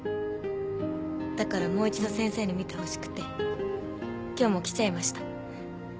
だからもう一度先生に診てほしくて今日も来ちゃいました。